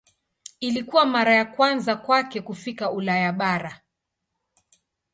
Ilikuwa mara ya kwanza kwake kufika Ulaya bara.